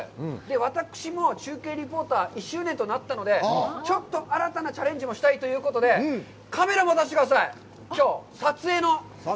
私も中継リポーター、１周年となったので、ちょっと新たなチャレンジもしたいということで、カメラマン、さしてください。